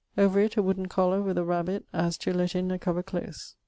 Over it a wooden collar with a rabit as to lett in a cover close.